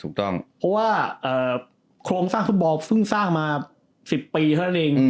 ถูกต้องเพราะว่าโครงสร้างฟุตบอลเพิ่งสร้างมา๑๐ปีเท่านั้นเอง